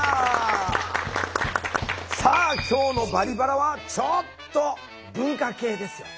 さあ今日の「バリバラ」はちょっと文化系ですよ。